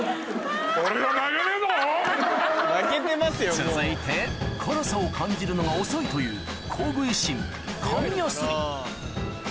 ・続いて辛さを感じるのが遅いというＫＯＵＧＵ維新・紙やすり